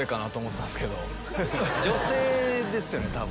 女性ですよね多分。